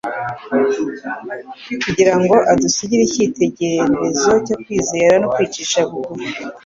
kugira ngo adusigire icyitegererezo cyo kwizera no kwicisha bugufi.